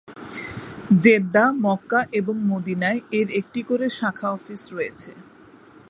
Jeddah, Mecca এবং মদীনায় এর একটি করে শাখা অফিস রয়েছে।